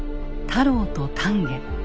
太郎と丹下。